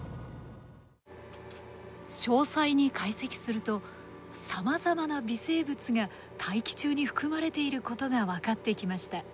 詳細に解析するとさまざまな微生物が大気中に含まれていることが分かってきました。